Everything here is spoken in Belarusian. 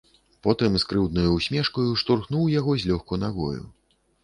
Потым з крыўднаю ўсмешкаю штурхнуў яго злёгку нагою.